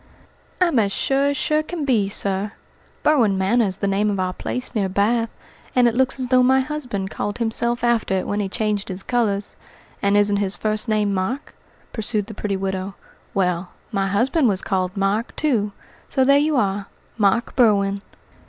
"I'm as sure as sure can be, sir. Berwin Manor is the name of our place near Bath, and it looks as though my husband called himself after it when he changed his colours. And isn't his first name Mark?" pursued the pretty widow. "Well, my husband was called Mark, too, so there you are Mark Berwin."